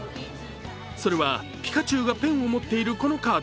それは、ピカチュウがペンを持っているこのカード。